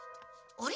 あれ？